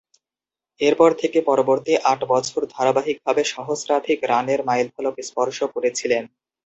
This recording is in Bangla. এরপর থেকে পরবর্তী আট বছর ধারাবাহিকভাবে সহস্রাধিক রানের মাইলফলক স্পর্শ করেছিলেন।